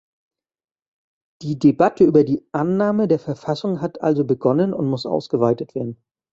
Die Debatte über die Annahme der Verfassung hat also begonnen und muss ausgeweitet werden.